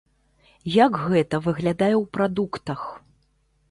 Як гэта выглядае ў прадуктах?